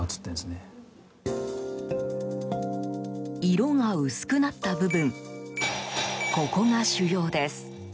色が薄くなった部分ここが腫瘍です。